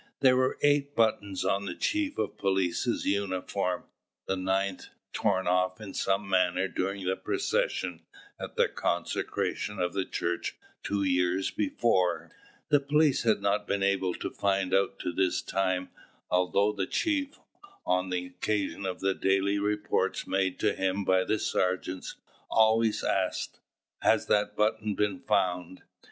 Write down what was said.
There were eight buttons on the chief of police's uniform: the ninth, torn off in some manner during the procession at the consecration of the church two years before, the police had not been able to find up to this time: although the chief, on the occasion of the daily reports made to him by the sergeants, always asked, "Has that button been found?"